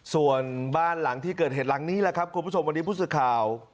ส่วนบ้านหลังที่เกิดเหตุหลังนี้แหละครับคุณผู้ชมวันนี้ผู้สื่อข่าว